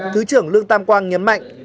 thứ trưởng lương tam quang nhấn mạnh